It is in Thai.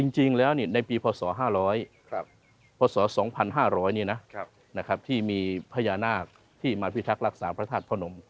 จริงแล้วในปีพศ๕๐๐พศ๒๕๐๐ที่มีพญานาคที่มาพิทักษ์รักษาพระธาตุพระนม